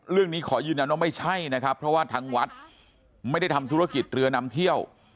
เรื่องนี้ขอยืนยันว่าไม่ใช่นะครับเพราะว่าทางวัดไม่ได้ทำธุรกิจเรือนำเที่ยว